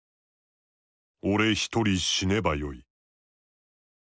俺一人死ねばよい」。